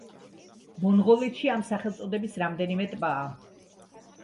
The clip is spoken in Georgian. მონღოლეთში ამ სახელწოდების რამდენიმე ტბაა.